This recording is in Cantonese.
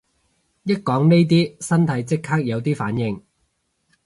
一講呢啲身體即刻有啲反應